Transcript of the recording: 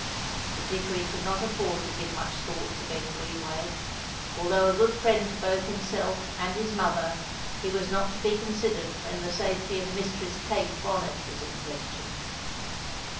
But Dickory could not afford to give much thought to Ben Greenway. Although a good friend to both himself and his mother, he was not to be considered when the safety of Mistress Kate Bonnet was in question.